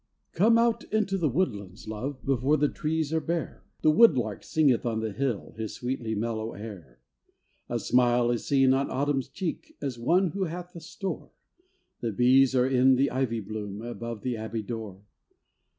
COME out into the woodlands, love, Before the trees are bare ; The woodlark singeth on the hill His sweetly mellow air. A smile is seen on Autumn's cheek, As one who hath a store ; The bees are in the ivy bloom, Above the abbey door.